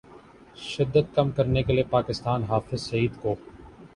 شدت کم کرنے کے لیے پاکستان حافظ سعید کو